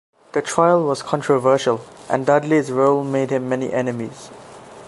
The trial was controversial, and Dudley's role made him many enemies.